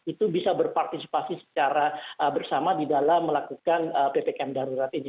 itu bisa berpartisipasi secara bersama di dalam melakukan ppkm darurat ini